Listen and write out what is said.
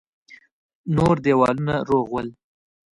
نور دېوالونه روغ ول.